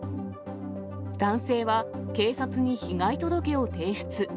男性は、警察に被害届を提出。